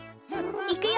いくよ！